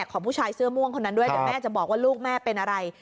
ของผู้ชายเสื้อม่วงคนนั้นด้วยเดี๋ยวแม่จะบอกว่าลูกแม่เป็นอะไร